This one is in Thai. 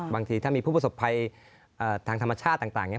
บางทีถ้ามีผู้ประสบภัยทางธรรมชาติต่างเนี่ย